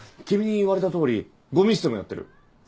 君に言われたとおりごみ捨てもやってる。